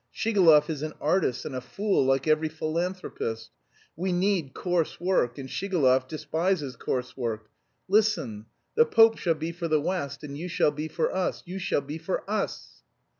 Shigalov is an artist and a fool like every philanthropist. We need coarse work, and Shigalov despises coarse work. Listen. The Pope shall be for the west, and you shall be for us, you shall be for us!"